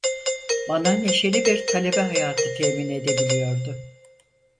Bana neşeli bir talebe hayatı temin edebiliyordu.